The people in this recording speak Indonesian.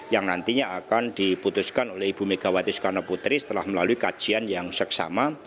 yang nantinya akan diputuskan oleh ibu megawati soekarno putri setelah melalui kajian yang seksama